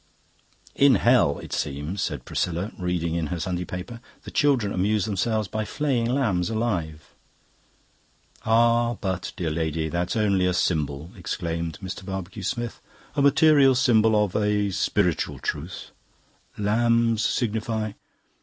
"In hell, it seems," said Priscilla, reading in her Sunday paper, "the children amuse themselves by flaying lambs alive." "Ah, but, dear lady, that's only a symbol," exclaimed Mr. Barbecue Smith, "a material symbol of a h piritual truth. Lambs signify..."